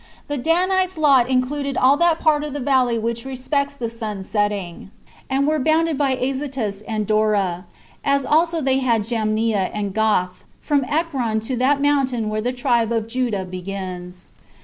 The Danites' lot included all that part of the valley which respects the sun setting, and were bounded by Azotus and Dora; as also they had all Jamnia and Gath, from Ekron to that mountain where the tribe of Judah begins.